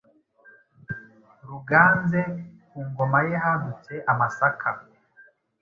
Ruganze, ku ngoma ye hadutse amasaka.